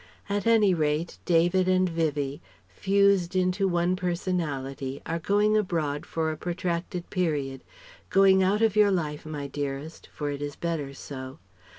At any rate, David and Vivie, fused into one personality, are going abroad for a protracted period ... going out of your life, my dearest, for it is better so.